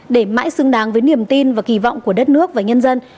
để mãi xứng đáng với niềm tin và kỳ vọng của đất nước và nhân dân